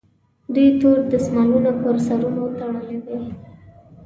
دوی تور دستمالونه پر سرونو تړلي وي.